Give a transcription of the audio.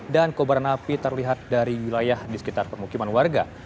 dan kebaran api terlihat dari wilayah di sekitar permukiman warga